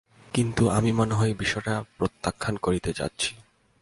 কিন্তু, আমি মনে হয় বিষয়টা প্রত্যাখ্যান করতে যাচ্ছি।